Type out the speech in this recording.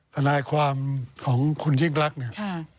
ทนายความของคุณยิ่งรักเนี่ย